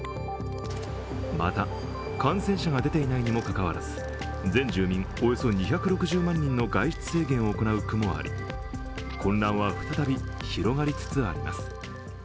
また感染者が出ていないにもかかわらず、全住民およそ２６０万人の外出制限を行う区もあり、混乱は再び広がりつつあります。